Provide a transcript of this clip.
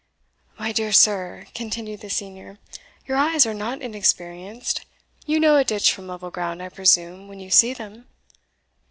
"My dear sir," continued the senior, "your eyes are not inexperienced: you know a ditch from level ground, I presume, when you see them?